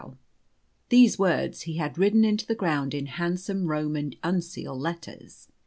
These words he had ridden into the ground in handsome Roman uncial letters.